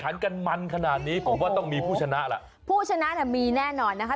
หลั่งกันมันขนาดนี้ผมว่าต้องมีผู้ชนะผู้ชนะมีแน่นอนนะคะ